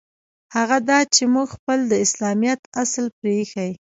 هغه دا چې موږ خپل د اسلامیت اصل پرېیښی.